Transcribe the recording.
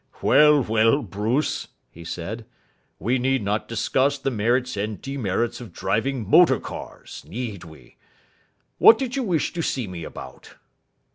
"Well, well, Bruce," he said, "we need not discuss the merits and demerits of driving motor cars, need we? What did you wish to see me about?"